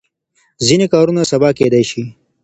ځینې کارونه سبا کېدای شي.